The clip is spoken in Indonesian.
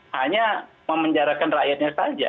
hanya memenjarakan rakyatnya saja